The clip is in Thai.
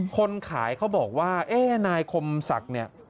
คนขายเขาบอกว่าเอ๊ะนายคมศักดิ์เนี่ย